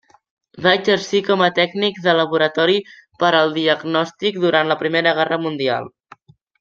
Va exercir com a tècnic de laboratori per al diagnòstic durant la Primera Guerra Mundial.